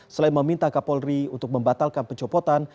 selain meminta kapolri untuk membatalkan pencopotan